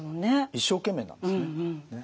一生懸命なんですね。